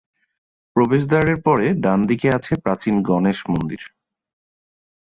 প্রবেশদ্বারের পরে ডান দিকে আছে প্রাচীন গণেশ মন্দির।